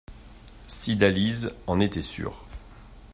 Cydalise en était sûre.